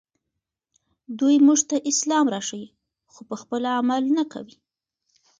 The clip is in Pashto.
دوی موږ ته اسلام راښيي خو پخپله عمل نه کوي